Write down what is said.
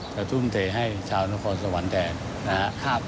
ทุ่มเทให้ชาวนครสวรรค์แทนนะครับ